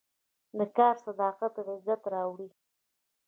د کار صداقت عزت راوړي.